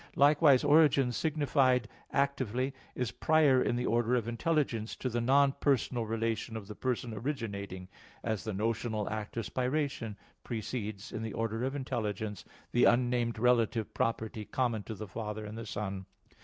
Likewise, origin signified actively is prior in the order of intelligence to the non personal relation of the person originating; as the notional act of spiration precedes, in the order of intelligence, the unnamed relative property common to the Father and the Son.